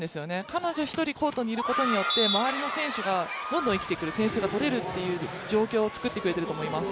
彼女１人がコートにいることによって、周りの選手がどんどん生きてくる、点数が取れるという状況を作ってくれていると思います。